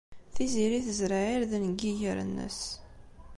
Tiziri tezreɛ irden deg yiger-nnes.